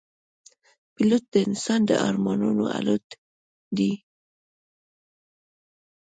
پیلوټ د انسان د ارمانونو الوت دی.